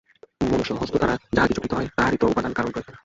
মনুষ্যহস্ত দ্বারা যাহা কিছু কৃত হয়, তাহারই তো উপাদান-কারণ প্রয়োজন।